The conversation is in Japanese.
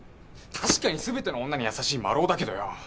確かに全ての女に優しいマルオだけどよ